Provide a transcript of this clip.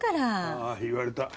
ああ言われた。